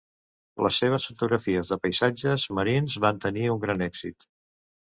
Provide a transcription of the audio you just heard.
Les seves fotografies de paisatges marins van tenir un gran èxit.